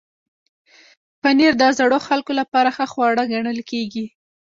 پنېر د زړو خلکو لپاره ښه خواړه ګڼل کېږي.